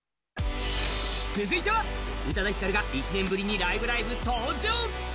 宇多田ヒカルが１年ぶりに「ライブ！ライブ！」に登場。